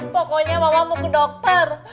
pokoknya mama mau ke dokter